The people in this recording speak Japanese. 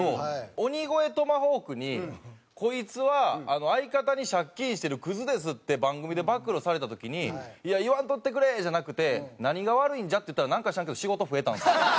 鬼越トマホークに「こいつは相方に借金してるクズです」って番組で暴露された時に「いや言わんとってくれ！」じゃなくて「何が悪いんじゃ！」って言ったらなんか知らんけど仕事増えたんですよ。